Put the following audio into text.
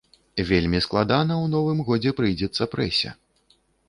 Вельмі складана ў новым годзе прыйдзецца прэсе.